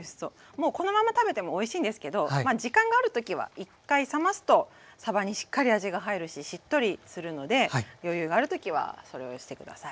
もうこのまま食べてもおいしいんですけど時間がある時は一回冷ますとさばにしっかり味が入るししっとりするので余裕がある時はそれをして下さい。